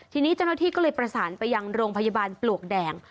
ทีนี้เจ้าหน้าที่ก็เลยประสานไปยังโรงพยาบาลปลวกแดง